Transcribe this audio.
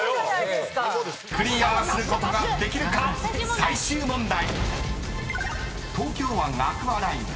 ［クリアすることができるか⁉最終問題］